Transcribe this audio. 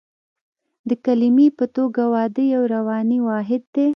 د کلمې په توګه واده یو رواني واحد دی